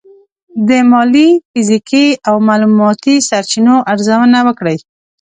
د مالي، فزیکي او معلوماتي سرچینو ارزونه وکړئ.